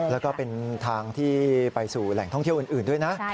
แล้วก็เป็นทางที่ไปสู่แหล่งท่องเที่ยวอื่นด้วยนะ